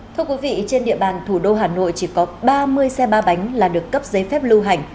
thưa quý vị trên địa bàn thủ đô hà nội chỉ có ba mươi xe ba bánh là được cấp giấy phép lưu hành